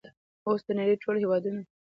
اوس د نړۍ ټول هیوادونه